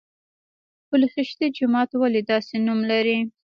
پل خشتي جومات ولې داسې نوم لري؟